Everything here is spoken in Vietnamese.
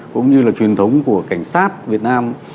cũng như là truyền thống của cảnh sát việt nam